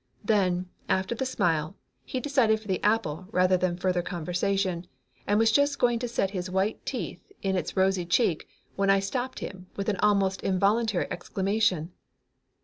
Then, after the smile, he decided for the apple rather than further conversation, and was just going to set his white teeth in its rosy cheek when I stopped him with an almost involuntary exclamation.